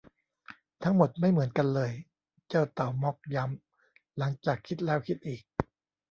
ทั้งหมดไม่เหมือนกันเลย เจ้าเต่าม็อคย้ำหลังจากคิดแล้วคิดอีก